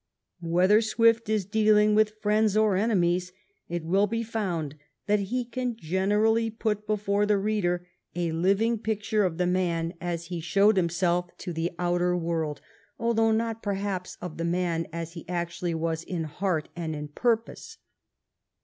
Whether Swift is dealing with friends or enemies, it will be found that he can generally put before the reader a living picture of the man as he showed him self to the outer world, although not perhaps of the man as he actually was in heart and in purpose.